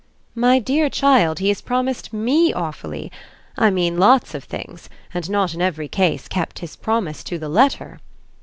"My dear child, he has promised ME awfully; I mean lots of things, and not in every case kept his promise to the letter."